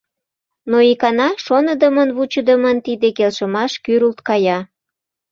Но икана шоныдымын-вучыдымын тиде келшымаш кӱрылт кая.